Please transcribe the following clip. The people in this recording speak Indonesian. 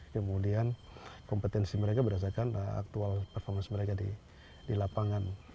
kemudian kompetensi mereka berdasarkan aktual performance mereka di lapangan